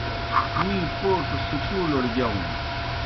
می پوڇوْ سکولڑ گِیاؤن۔